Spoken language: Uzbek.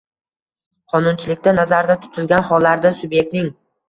qonunchilikda nazarda tutilgan hollarda subyektning